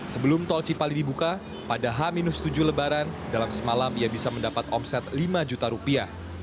sebelum tol cipali dibuka pada h tujuh lebaran dalam semalam ia bisa mendapat omset lima juta rupiah